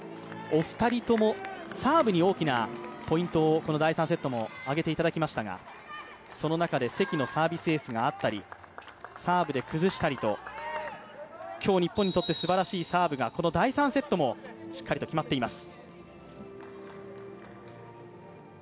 お二人とも、サーブに大きなポイントを、この第３セットも挙げていただきましたが、その中で関のサービスエースがあったりサーブで崩したりと今日、日本にとってすばらしいサーブがこの第３セットもしっかりと決まっています。